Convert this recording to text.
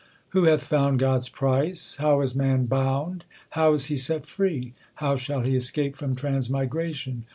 Who hath found God s price ? How is man bound ? How is he set free ? How shall he escape from transmigration